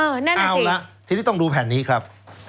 เออนั่นแหละสิเอาละทีนี้ต้องดูแผ่นนี้ครับ